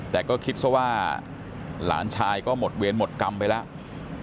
แต่ก็คิดซะว่าหลานชายก็หมดเวรหมดกรรมไปแล้ว